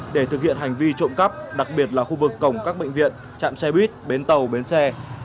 để thực hiện hành vi trộm cắp đặc biệt là khu vực cổng các bệnh viện trạm xe buýt bến tàu bến xe